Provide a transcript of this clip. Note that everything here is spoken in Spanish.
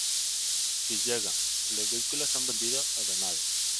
Si llegan, los vehículos son vendidos o donados.